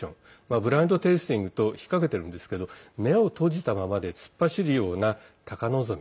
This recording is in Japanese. ブラインド・テイスティングと引っ掛けてるんですけど目を閉じたままで突っ走るような高望み。